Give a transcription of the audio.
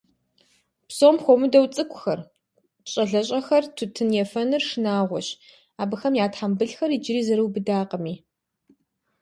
Псом хуэмыдэу цӀыкӀухэр, щӀалэщӀэхэр тутын ефэныр шынагъуэщ, абыхэм я тхьэмбылхэр иджыри зэрыубыдакъыми.